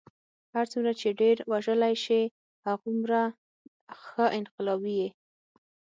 هر څومره چې ډېر وژلی شې هغومره ښه انقلابي یې.